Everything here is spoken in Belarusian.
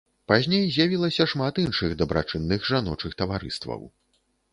Пазней з'явілася шмат іншых дабрачынных жаночых таварыстваў.